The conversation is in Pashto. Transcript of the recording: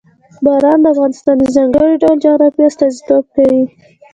باران د افغانستان د ځانګړي ډول جغرافیه استازیتوب کوي.